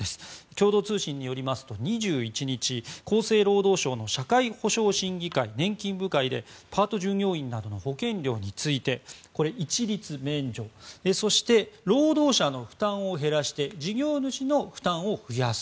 共同通信によりますと２１日、厚生労働省の社会保障審議会年金部会でパート従業員などの保険料について、一律免除そして、労働者の負担を減らして事業主の負担を増やす。